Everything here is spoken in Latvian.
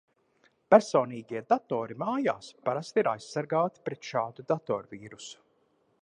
Personīgie datori mājās parasti ir aizsargāti pret šādu datorvīrusu.